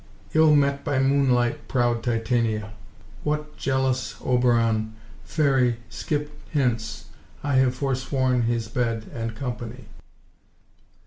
Ill met by moonlight, proud Titania. Tita. What, jealous Oberon? Fairy, skip hence; I have forsworn his bed and company.